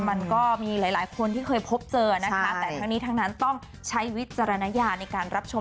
มันก็มีหลายหลายคนที่เคยพบเจอนะคะแต่ทั้งนี้ทั้งนั้นต้องใช้วิจารณญาณในการรับชม